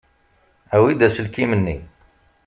Awi-d aselkim-nni.